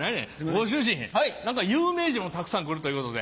ご主人何か有名人もたくさん来るということで。